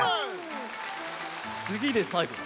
つぎでさいごだ。